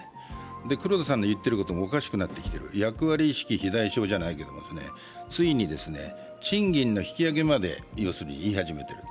黒田さんの言っていることもおかしくなってきている、役割意識肥大症じゃないですけど、ついに賃金の引き上げまで言い始めてる。